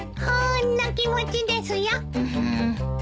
ほんの気持ちですよ。